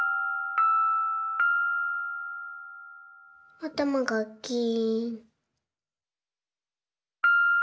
あたまがキーン。